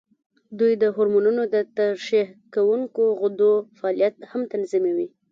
دوی د هورمونونو د ترشح کوونکو غدو فعالیت هم تنظیموي.